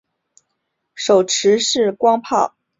手持式光炮来福枪。